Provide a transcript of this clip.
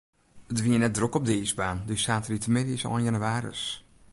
It wie net drok op de iisbaan, dy saterdeitemiddeis ein jannewaris.